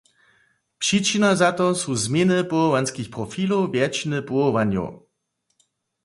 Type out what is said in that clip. Přićina za to su změny powołanskich profilow wjetšiny powołanjow.